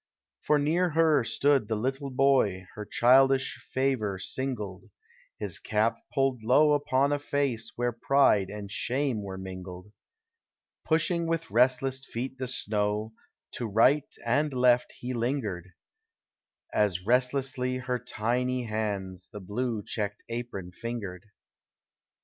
For near her stood the little boy IJer childish favor singled : His cap pulled low upon a face Where pride and shame were mingled. Pushing with restless feet the snow To right and left, he lingered;— As restlessly her tiny hands The blue checked apron fingered.